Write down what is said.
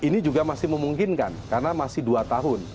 ini juga masih memungkinkan karena masih dua tahun